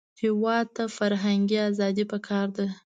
هېواد ته فرهنګي ازادي پکار ده